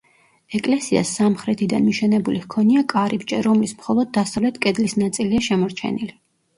ეკლესიას სამხრეთიდან მიშენებული ჰქონია კარიბჭე, რომლის მხოლოდ დასავლეთ კედლის ნაწილია შემორჩენილი.